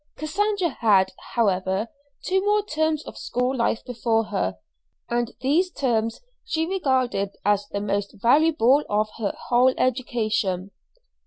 Cassandra had, however, two more terms of school life before her, and these terms she regarded as the most valuable of her whole education.